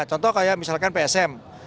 contoh kayak misalkan psm